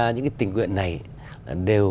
những cái tình nguyện này đều